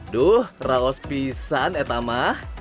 duh raus pisan etama